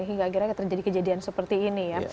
hingga akhirnya terjadi kejadian seperti ini ya